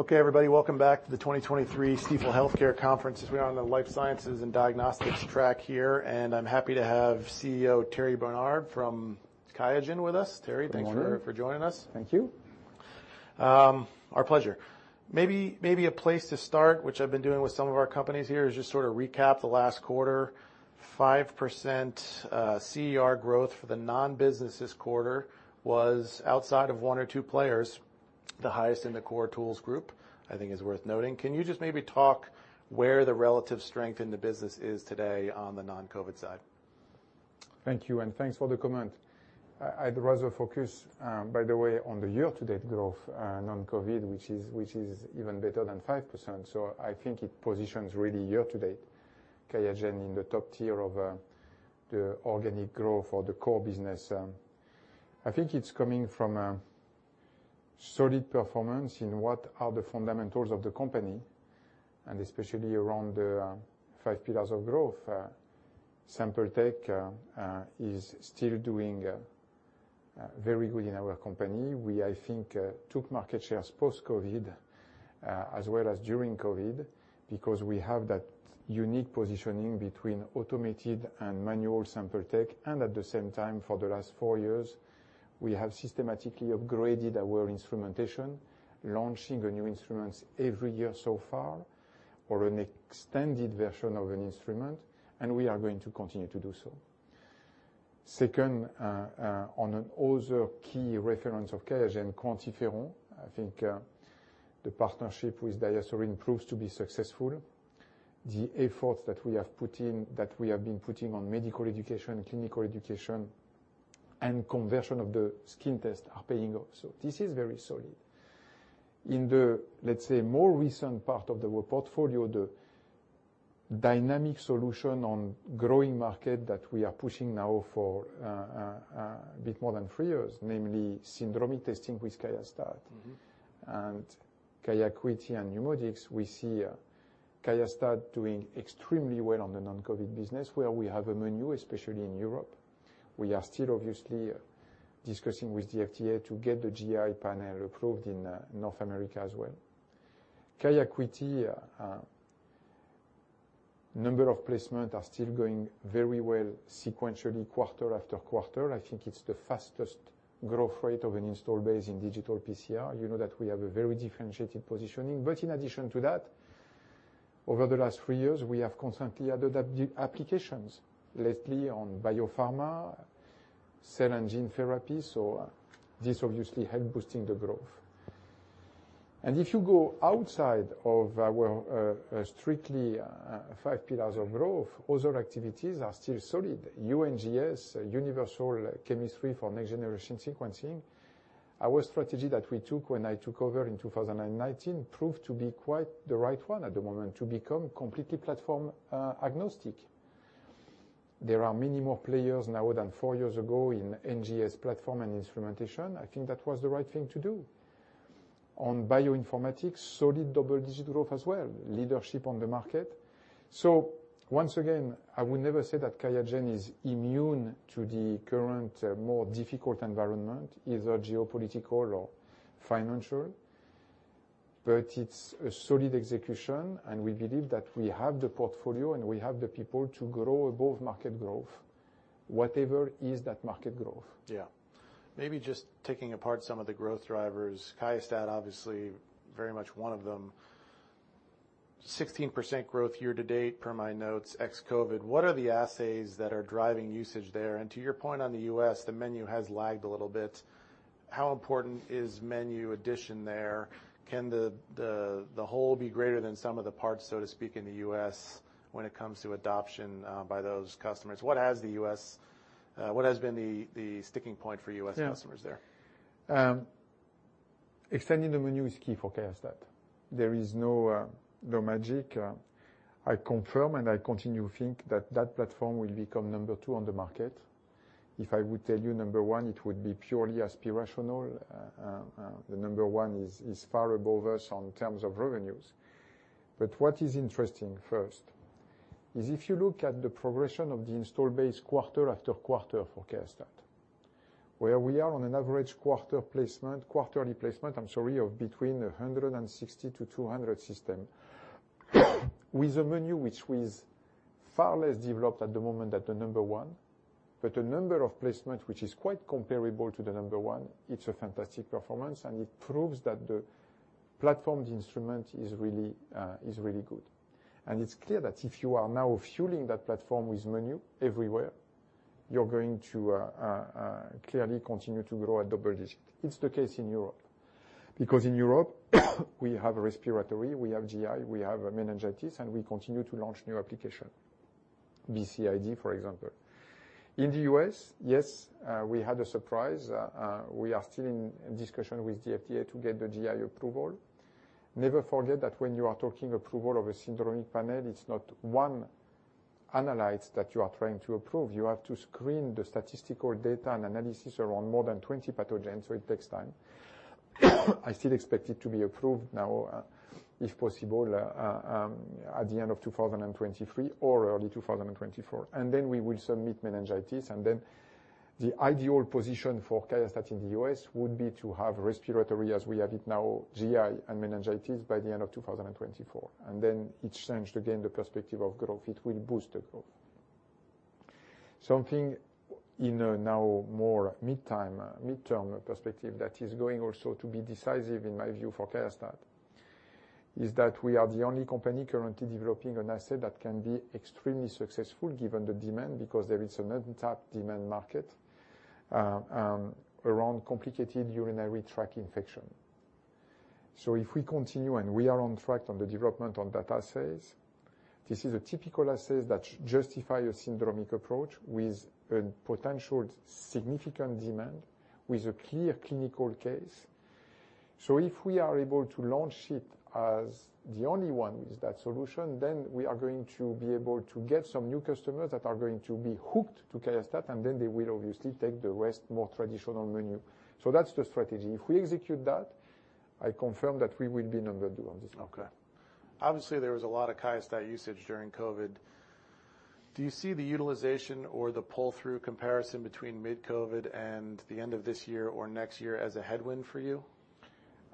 Okay, everybody, welcome back to the 2023 Stifel Healthcare Conference. We are on the life sciences and diagnostics track here, and I'm happy to have CEO Thierry Bernard from QIAGEN with us. Thierry, thanks for joining us. Thank you. Our pleasure. Maybe a place to start, which I've been doing with some of our companies here, is just sort of recap the last quarter: 5% CER growth for the non-businesses quarter was, outside of one or two players, the highest in the core tools group, I think is worth noting. Can you just maybe talk about where the relative strength in the business is today on the non-COVID side? Thank you, and thanks for the comment. I'd rather focus, by the way, on the year-to-date growth, non-COVID, which is even better than 5%. So I think it positions really year-to-date QIAGEN in the top tier of the organic growth or the core business. I think it's coming from solid performance in what are the fundamentals of the company, and especially around the Five Pillars of Growth. SampleTech is still doing very good in our company. We, I think, took market shares post-COVID as well as during COVID because we have that unique positioning between automated and manual SampleTech, and at the same time, for the last four years, we have systematically upgraded our instrumentation, launching new instruments every year so far, or an extended version of an instrument, and we are going to continue to do so. Second, on another key reference of QIAGEN, QuantiFERON, I think the partnership with DiaSorin proves to be successful. The efforts that we have put in, that we have been putting on medical education, clinical education, and conversion of the skin test are paying off. So this is very solid. In the, let's say, more recent part of the portfolio, the dynamic solution on growing market that we are pushing now for a bit more than three years, namely syndromic testing with QIAstat-Dx and QIAcuity and NeuMoDx, we see QIAstat-Dx doing extremely well on the non-COVID business, where we have a menu, especially in Europe. We are still, obviously, discussing with the FDA to get the GI panel approved in North America as well. QIAcuity, number of placements are still going very well sequentially, quarter after quarter. I think it's the fastest growth rate of an install base in digital PCR. You know that we have a very differentiated positioning. But in addition to that, over the last three years, we have constantly added applications, lately on biopharma, cell and gene therapy. So this obviously helped boosting the growth. And if you go outside of our strictly Five Pillars of Growth, other activities are still solid. UNGS, Universal NGS, our strategy that we took when I took over in 2019 proved to be quite the right one at the moment to become completely platform agnostic. There are many more players now than four years ago in NGS platform and instrumentation. I think that was the right thing to do. On bioinformatics, solid double-digit growth as well, leadership on the market. So once again, I would never say that QIAGEN is immune to the current more difficult environment, either geopolitical or financial, but it's a solid execution, and we believe that we have the portfolio and we have the people to grow above market growth, whatever is that market growth. Yeah. Maybe just taking apart some of the growth drivers, QIAstat, obviously, very much one of them, 16% growth year-to-date per my notes ex-COVID. What are the assays that are driving usage there? And to your point on the U.S., the menu has lagged a little bit. How important is menu addition there? Can the whole be greater than some of the parts, so to speak, in the U.S. when it comes to adoption by those customers? What has been the sticking point for U.S. customers there? Extending the menu is key for QIAstat. There is no magic. I confirm and I continue to think that that platform will become number two on the market. If I would tell you number one, it would be purely aspirational. The number one is far above us in terms of revenues. But what is interesting first is if you look at the progression of the installed base quarter after quarter for QIAstat, where we are on an average quarterly placement, I'm sorry, of between 160 to 200 systems with a menu which is far less developed at the moment than the number one, but a number of placements which is quite comparable to the number one, it's a fantastic performance, and it proves that the platform instrument is really good. And it's clear that if you are now fueling that platform with menu everywhere, you're going to clearly continue to grow at double digit. It's the case in Europe because in Europe, we have respiratory, we have GI, we have meningitis, and we continue to launch new applications, BCID, for example. In the U.S., yes, we had a surprise. We are still in discussion with the FDA to get the GI approval. Never forget that when you are talking approval of a syndromic panel, it's not one analytes that you are trying to approve. You have to screen the statistical data and analysis around more than 20 pathogens, so it takes time. I still expect it to be approved now, if possible, at the end of 2023 or early 2024. And then we will submit meningitis, and then the ideal position for QIAstat in the U.S. would be to have respiratory as we have it now, GI and meningitis by the end of 2024. And then it's changed again the perspective of growth. It will boost the growth. Something in a now more mid-term perspective that is going also to be decisive, in my view, for QIAstat is that we are the only company currently developing an asset that can be extremely successful given the demand because there is an untapped demand market around complicated urinary tract infection. So if we continue and we are on track on the development of that assays, this is a typical assay that justifies a syndromic approach with a potential significant demand, with a clear clinical case. If we are able to launch it as the only one with that solution, then we are going to be able to get some new customers that are going to be hooked to QIAstat, and then they will obviously take the rest more traditional menu. That's the strategy. If we execute that, I confirm that we will be number two on this one. Okay. Obviously, there was a lot of QIAstat usage during COVID. Do you see the utilization or the pull-through comparison between mid-COVID and the end of this year or next year as a headwind for you?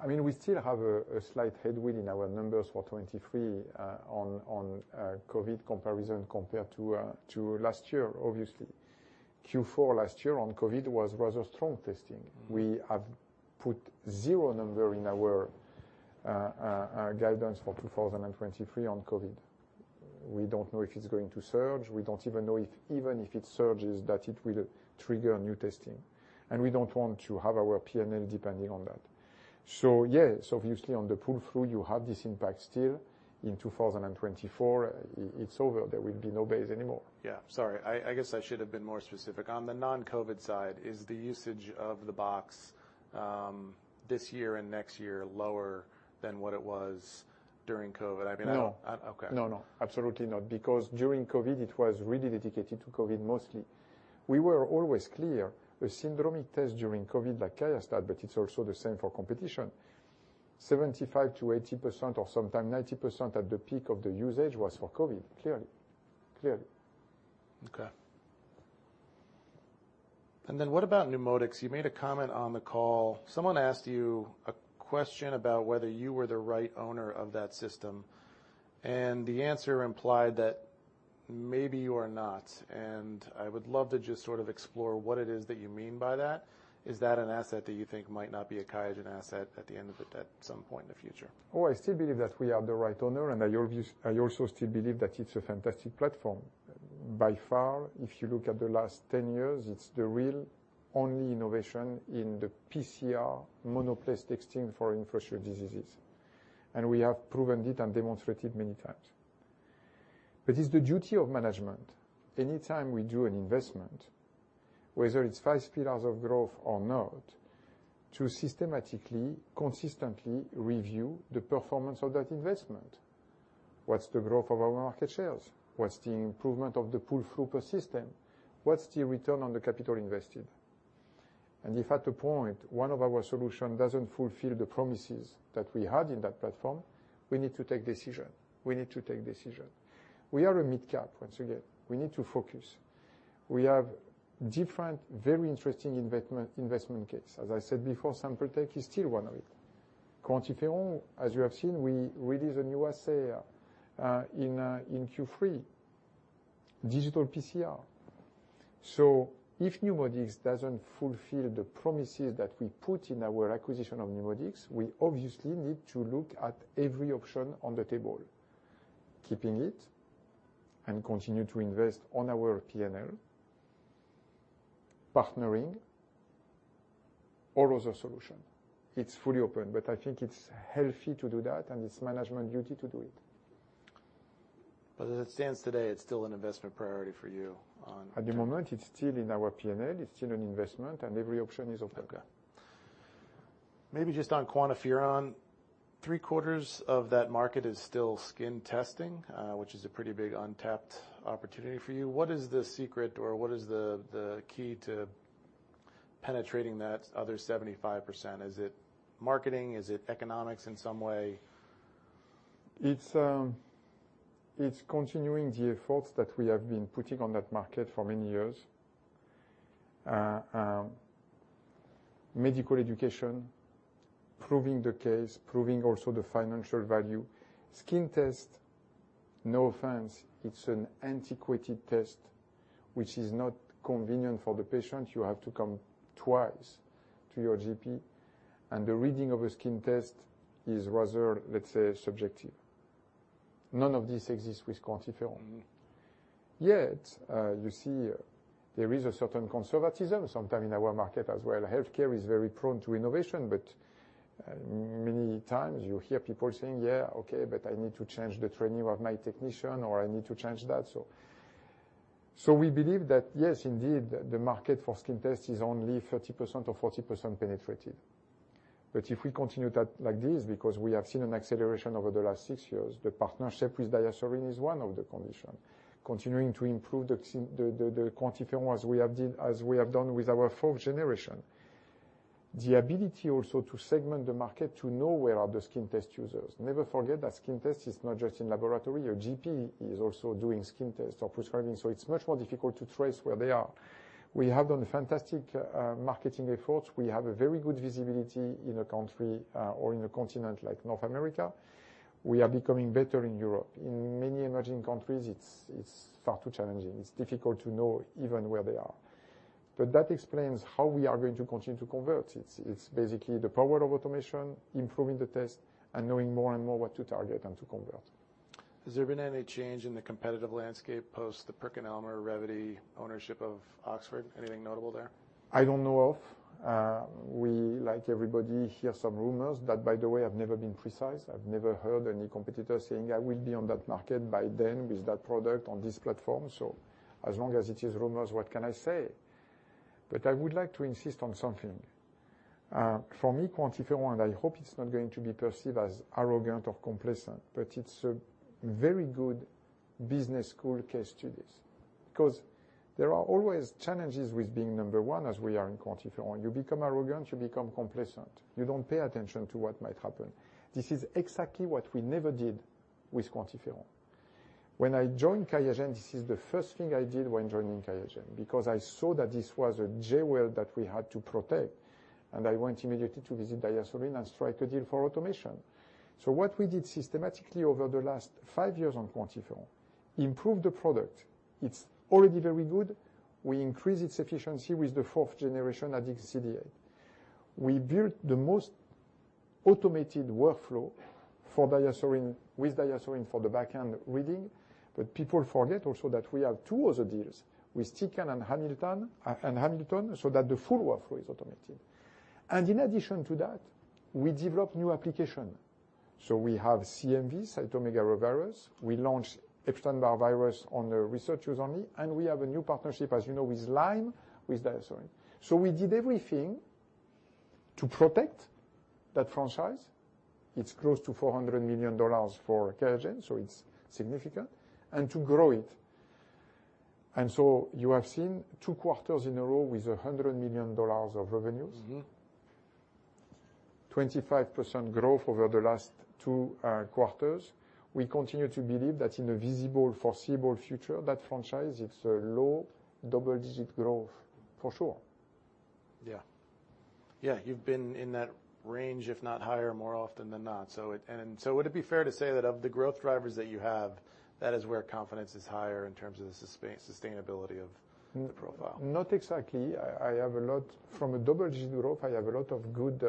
I mean, we still have a slight headwind in our numbers for 2023 on COVID comparison compared to last year, obviously. Q4 last year on COVID was rather strong testing. We have put zero number in our guidance for 2023 on COVID. We don't know if it's going to surge. We don't even know if it surges, that it will trigger new testing. And we don't want to have our P&L depending on that. So yeah, so obviously on the pull-through, you have this impact still. In 2024, it's over. There will be no base anymore. Yeah. Sorry. I guess I should have been more specific. On the non-COVID side, is the usage of the box this year and next year lower than what it was during COVID? I mean. No. Okay. No, no. Absolutely not. Because during COVID, it was really dedicated to COVID mostly. We were always clear, a syndromic test during COVID like QIAstat, but it's also the same for competition. 75%-80% or sometimes 90% at the peak of the usage was for COVID, clearly. Clearly. Okay. And then what about NeuMoDx? You made a comment on the call. Someone asked you a question about whether you were the right owner of that system, and the answer implied that maybe you are not. And I would love to just sort of explore what it is that you mean by that. Is that an asset that you think might not be a QIAGEN asset at the end of it at some point in the future? Oh, I still believe that we are the right owner, and I also still believe that it's a fantastic platform. By far, if you look at the last 10 years, it's the real only innovation in the PCR multiplex testing for infectious diseases, and we have proven it and demonstrated many times, but it's the duty of management. Anytime we do an investment, whether it's Five Pillars of Growth or not, to systematically, consistently review the performance of that investment. What's the growth of our market shares? What's the improvement of the pull-through per system? What's the return on the capital invested? And if at the point one of our solutions doesn't fulfill the promises that we had in that platform, we need to take decision. We need to take decision. We are a mid-cap, once again. We need to focus. We have different, very interesting investment cases. As I said before, SampleTech is still one of it. QuantiFERON, as you have seen, we released a new assay in Q3, digital PCR. So if NeuMoDx doesn't fulfill the promises that we put in our acquisition of NeuMoDx, we obviously need to look at every option on the table, keeping it, and continue to invest on our P&L, partnering, or other solution. It's fully open, but I think it's healthy to do that, and it's management duty to do it. But as it stands today, it's still an investment priority for you on. At the moment, it's still in our P&L. It's still an investment, and every option is open. Okay. Maybe just on QuantiFERON, three quarters of that market is still skin testing, which is a pretty big untapped opportunity for you. What is the secret or what is the key to penetrating that other 75%? Is it marketing? Is it economics in some way? It's continuing the efforts that we have been putting on that market for many years. Medical education, proving the case, proving also the financial value. Skin test, no offense, it's an antiquated test which is not convenient for the patient. You have to come twice to your GP, and the reading of a skin test is rather, let's say, subjective. None of this exists with QuantiFERON. Yet, you see, there is a certain conservatism sometimes in our market as well. Healthcare is very prone to innovation, but many times you hear people saying, "Yeah, okay, but I need to change the training of my technician," or, "I need to change that." So we believe that, yes, indeed, the market for skin test is only 30% or 40% penetrated. But if we continue like this, because we have seen an acceleration over the last six years, the partnership with DiaSorin is one of the conditions, continuing to improve the QuantiFERON as we have done with our fourth generation. The ability also to segment the market to know where are the skin test users. Never forget that skin test is not just in laboratory. Your GP is also doing skin tests or prescribing, so it's much more difficult to trace where they are. We have done fantastic marketing efforts. We have a very good visibility in a country or in a continent like North America. We are becoming better in Europe. In many emerging countries, it's far too challenging. It's difficult to know even where they are. But that explains how we are going to continue to convert. It's basically the power of automation, improving the test, and knowing more and more what to target and to convert. Has there been any change in the competitive landscape post the PerkinElmer Revvity ownership of Oxford Immunotec? Anything notable there? I don't know of. We, like everybody, hear some rumors that, by the way, have never been precise. I've never heard any competitor saying, "I will be on that market by then with that product on this platform." So as long as it is rumors, what can I say? But I would like to insist on something. For me, QuantiFERON, and I hope it's not going to be perceived as arrogant or complacent, but it's a very good business school case studies. Because there are always challenges with being number one, as we are in QuantiFERON. You become arrogant, you become complacent. You don't pay attention to what might happen. This is exactly what we never did with QuantiFERON. When I joined QIAGEN, this is the first thing I did when joining QIAGEN because I saw that this was a jewel that we had to protect, and I went immediately to visit DiaSorin and strike a deal for automation. So what we did systematically over the last five years on QuantiFERON, improve the product. It's already very good. We increase its efficiency with the fourth generation Adix CD8. We built the most automated workflow with DiaSorin for the backend reading, but people forget also that we have two other deals with Tecan and Hamilton so that the full workflow is automated. And in addition to that, we develop new application. So we have CMV, cytomegalovirus. We launched Epstein-Barr virus on researchers only, and we have a new partnership, as you know, with Lyme, with DiaSorin. So we did everything to protect that franchise. It's close to $400 million for QIAGEN, so it's significant, and to grow it. And so you have seen two quarters in a row with $100 million of revenues, 25% growth over the last two quarters. We continue to believe that in the visible, foreseeable future, that franchise, it's a low double-digit growth for sure. Yeah. Yeah. You've been in that range, if not higher, more often than not. And so would it be fair to say that of the growth drivers that you have, that is where confidence is higher in terms of the sustainability of the profile? Not exactly. I have a lot from a double-digit growth. I have a lot of good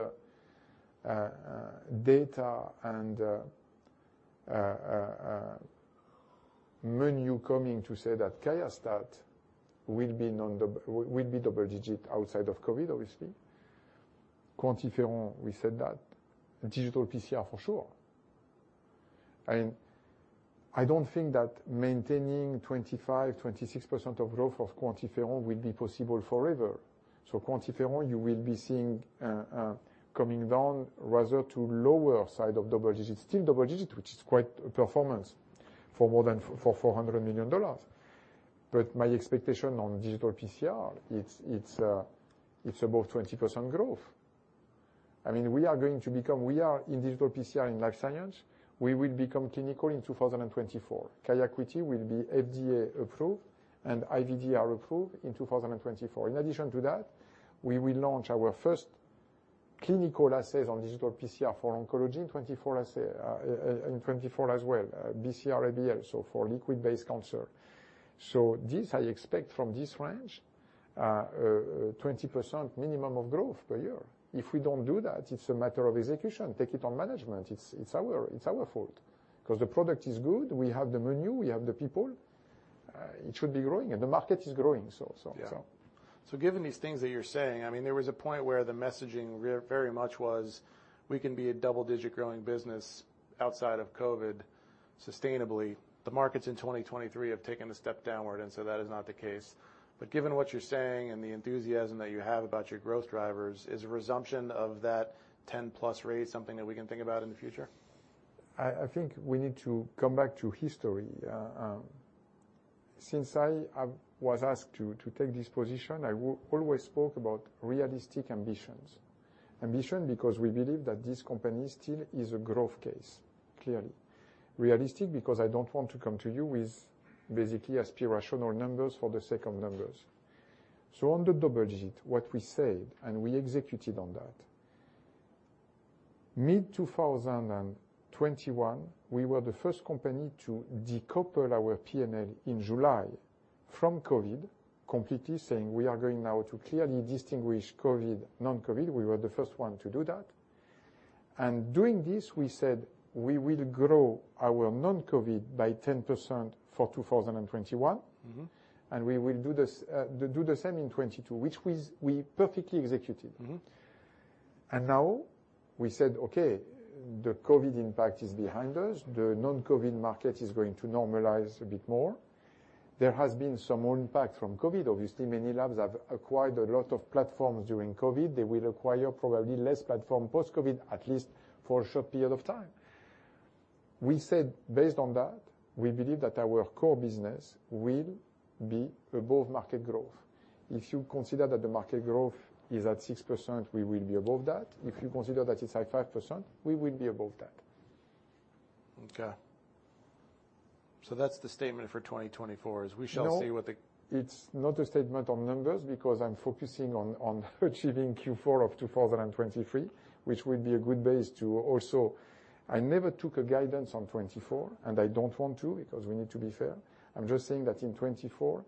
data and moment coming to say that QIAstat will be double-digit outside of COVID, obviously. QuantiFERON, we said that. Digital PCR, for sure. And I don't think that maintaining 25%-26% of growth of QuantiFERON will be possible forever. So QuantiFERON, you will be seeing coming down rather to lower side of double-digit, still double-digit, which is quite a performance for more than $400 million. But my expectation on digital PCR, it's above 20% growth. I mean, we are going to become we are in digital PCR in life science. We will become clinical in 2024. QIAcuity will be FDA approved and IVDR approved in 2024. In addition to that, we will launch our first clinical assays on digital PCR for oncology in 2024 as well, BCR-ABL, so for liquid-based cancer. So, this I expect from this range, 20% minimum of growth per year. If we don't do that, it's a matter of execution. Take it on management. It's our fault. Because the product is good, we have the menu, we have the people, it should be growing, and the market is growing, so. Yeah. So given these things that you're saying, I mean, there was a point where the messaging very much was, "We can be a double-digit growing business outside of COVID sustainably." The markets in 2023 have taken a step downward, and so that is not the case. But given what you're saying and the enthusiasm that you have about your growth drivers, is a resumption of that 10-plus rate something that we can think about in the future? I think we need to come back to history. Since I was asked to take this position, I always spoke about realistic ambitions. Ambition because we believe that this company still is a growth case, clearly. Realistic because I don't want to come to you with basically aspirational numbers for the sake of numbers. So on the double-digit, what we said and we executed on that. Mid-2021, we were the first company to decouple our P&L in July from COVID completely, saying we are going now to clearly distinguish COVID, non-COVID. We were the first one to do that, and doing this, we said, "We will grow our non-COVID by 10% for 2021, and we will do the same in 2022," which we perfectly executed, and now we said, "Okay, the COVID impact is behind us. The non-COVID market is going to normalize a bit more." There has been some more impact from COVID. Obviously, many labs have acquired a lot of platforms during COVID. They will acquire probably less platform post-COVID, at least for a short period of time. We said, based on that, we believe that our core business will be above market growth. If you consider that the market growth is at 6%, we will be above that. If you consider that it's at 5%, we will be above that. Okay. So that's the statement for 2024 is, "We shall see what the. No, it's not a statement on numbers because I'm focusing on achieving Q4 of 2023, which would be a good base to also. I never took a guidance on 2024, and I don't want to because we need to be fair. I'm just saying that in 2024,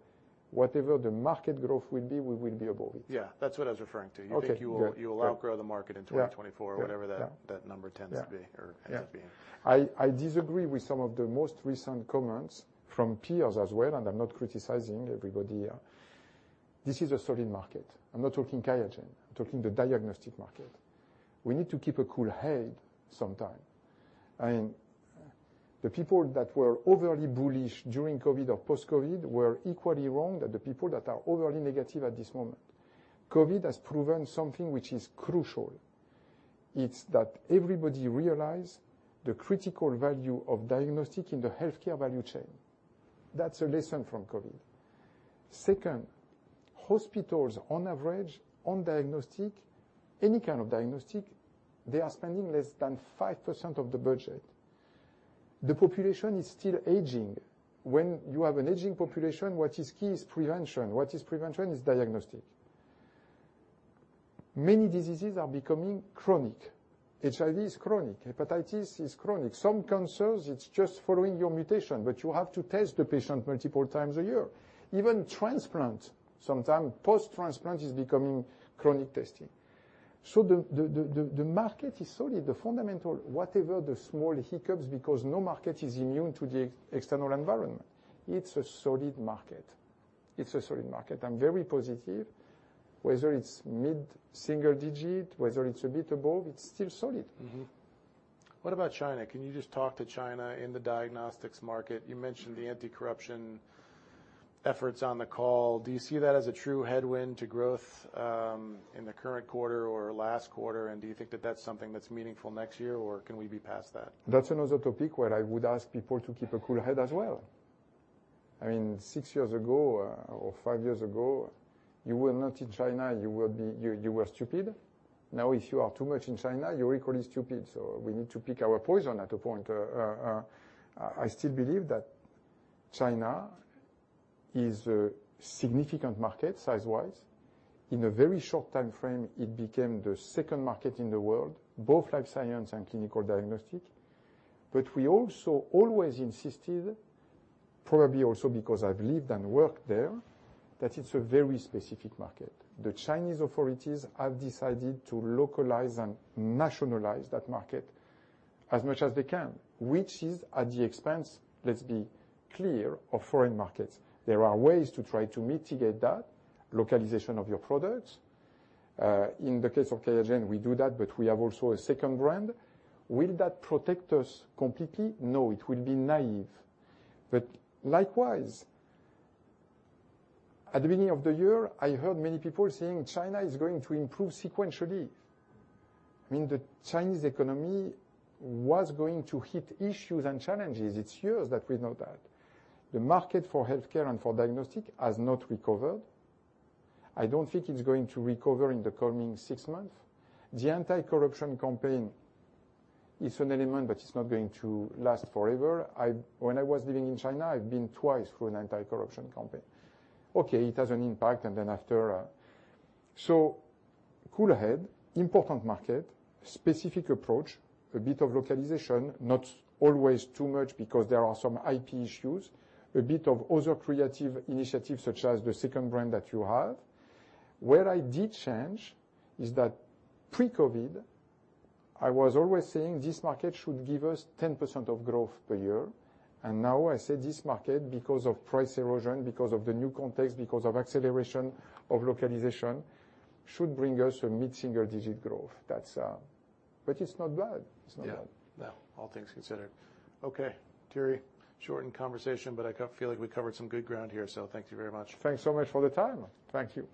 whatever the market growth will be, we will be above it. Yeah. That's what I was referring to. You think you will outgrow the market in 2024 or whatever that number tends to be or ends up being? Yeah. I disagree with some of the most recent comments from peers as well, and I'm not criticizing everybody. This is a solid market. I'm not talking QIAGEN. I'm talking the diagnostic market. We need to keep a cool head sometime, and the people that were overly bullish during COVID or post-COVID were equally wrong than the people that are overly negative at this moment. COVID has proven something which is crucial. It's that everybody realized the critical value of diagnostic in the healthcare value chain. That's a lesson from COVID. Second, hospitals, on average, on diagnostic, any kind of diagnostic, they are spending less than 5% of the budget. The population is still aging. When you have an aging population, what is key is prevention. What is prevention is diagnostic. Many diseases are becoming chronic. HIV is chronic. Hepatitis is chronic. Some cancers, it's just following your mutation, but you have to test the patient multiple times a year. Even transplant, sometimes post-transplant is becoming chronic testing. So the market is solid. The fundamental, whatever the small hiccups, because no market is immune to the external environment, it's a solid market. It's a solid market. I'm very positive. Whether it's mid-single digit, whether it's a bit above, it's still solid. What about China? Can you just talk to China in the diagnostics market? You mentioned the anti-corruption efforts on the call. Do you see that as a true headwind to growth in the current quarter or last quarter? And do you think that that's something that's meaningful next year, or can we be past that? That's another topic where I would ask people to keep a cool head as well. I mean, six years ago or five years ago, you were not in China, you were stupid. Now, if you are too much in China, you're equally stupid. So we need to pick our poison at a point. I still believe that China is a significant market size-wise. In a very short time frame, it became the second market in the world, both life science and clinical diagnostic. But we also always insisted, probably also because I've lived and worked there, that it's a very specific market. The Chinese authorities have decided to localize and nationalize that market as much as they can, which is at the expense, let's be clear, of foreign markets. There are ways to try to mitigate that localization of your products. In the case of QIAGEN, we do that, but we have also a second brand. Will that protect us completely? No, it will be naive, but likewise, at the beginning of the year, I heard many people saying China is going to improve sequentially. I mean, the Chinese economy was going to hit issues and challenges. It's years that we know that. The market for healthcare and for diagnostic has not recovered. I don't think it's going to recover in the coming six months. The anti-corruption campaign is an element, but it's not going to last forever. When I was living in China, I've been twice through an anti-corruption campaign. Okay, it has an impact, and then after. So cool head, important market, specific approach, a bit of localization, not always too much because there are some IP issues, a bit of other creative initiatives such as the second brand that you have. Where I did change is that pre-COVID, I was always saying this market should give us 10% growth per year. And now I say this market, because of price erosion, because of the new context, because of acceleration of localization, should bring us a mid-single-digit growth. But it's not bad. It's not bad. Yeah. No, all things considered. Okay, Thierry. Shortened conversation, but I feel like we covered some good ground here, so thank you very much. Thanks so much for the time. Thank you.